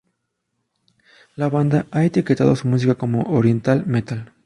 La banda ha etiquetado su música como "Oriental metal".